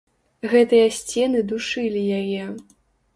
Гэтыя сцены душылі яе.